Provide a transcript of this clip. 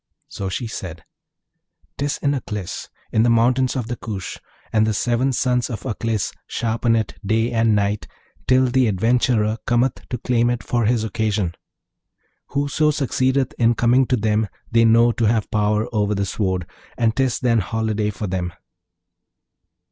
So she said, ''Tis in Aklis, in the mountains of the Koosh; and the seven sons of Aklis sharpen it day and night till the adventurer cometh to claim it for his occasion. Whoso succeedeth in coming to them they know to have power over the sword, and 'tis then holiday for them.